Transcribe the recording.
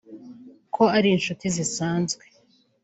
ko ari inshuti zisanzwe